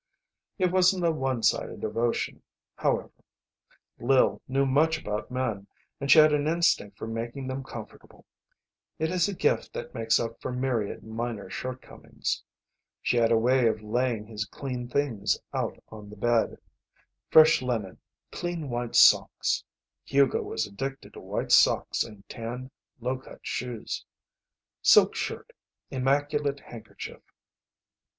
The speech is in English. It wasn't a one sided devotion, however. Lil knew much about men, and she had an instinct for making them comfortable. It is a gift that makes up for myriad minor shortcomings. She had a way of laying his clean things out on the bed fresh linen, clean white socks (Hugo was addicted to white socks and tan, low cut shoes), silk shirt, immaculate handkerchief.